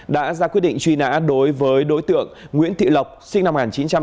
đã ra quyết định truy nã đối với đối tượng nguyễn thị lộc sinh năm một nghìn chín trăm tám mươi